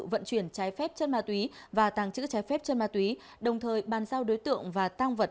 vận chuyển trái phép chân ma túy và tàng trữ trái phép chân ma túy đồng thời bàn giao đối tượng và tăng vật